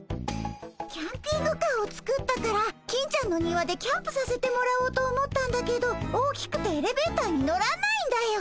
キャンピングカーを作ったから金ちゃんの庭でキャンプさせてもらおうと思ったんだけど大きくてエレベーターに乗らないんだよ。